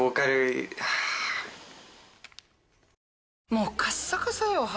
もうカッサカサよ肌。